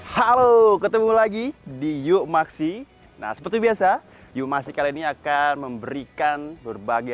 halo ketemu lagi di yukmaksi nah seperti biasa yukmaksi kali ini akan memberikan berbagai